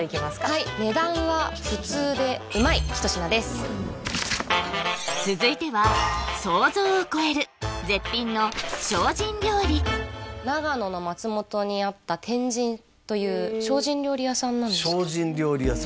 はい値段は普通でうまい一品です続いては長野の松本にあった天神という精進料理屋さんなんですけど精進料理屋さん